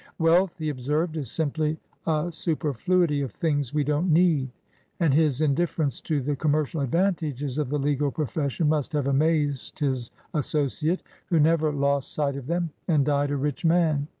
"Wealth," he observed, "is simply a superfluity of things we don't need," and his indifference to the com mercial advantages of the legal profession must have amazed his associate, who never lost sight of them, and died a rich man.